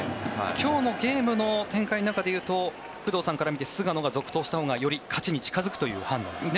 今日のゲームの展開の中でいうと工藤さんから見て菅野が続投したほうがより勝ちに近付くという判断ですね。